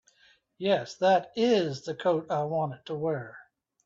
Yes, that IS the coat I want to wear.